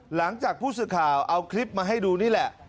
หลังจากผู้สื่อข่าวเอาคลิปมาให้ดูนี่แหละ